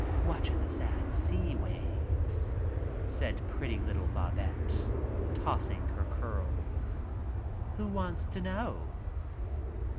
"Watchm* the sad sea waves," said pretty little Babette, tossing her curls. "Who wants t' know?"